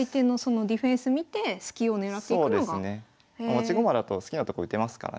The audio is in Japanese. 持ち駒だと好きなとこ打てますからね。